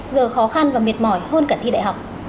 giờ khó khăn và mệt mỏi hơn cả thi đại học